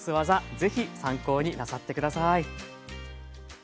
ぜひ参考になさって下さい。